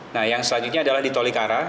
nah yang selanjutnya adalah di tolikara